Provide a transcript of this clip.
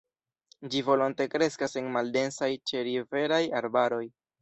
Ĝi volonte kreskas en maldensaj ĉeriveraj arbaroj.